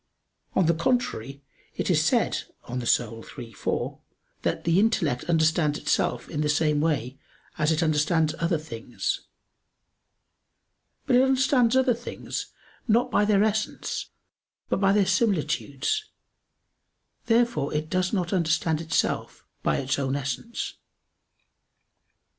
On the contrary, It is said (De Anima iii, 4) that "the intellect understands itself in the same way as it understands other things." But it understands other things, not by their essence, but by their similitudes. Therefore it does not understand itself by its own essence.